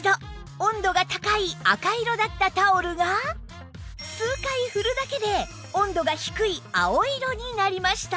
温度が高い赤色だったタオルが数回振るだけで温度が低い青色になりました